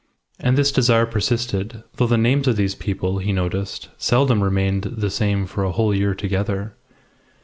And this desire persisted, though the names of these people, he noticed, seldom remained the same for a whole year together.